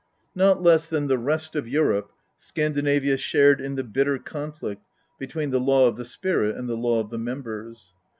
Not less than the rest of Europe, Scandinavia shared in the bitter conflict between the law of the spirit and the law of the members.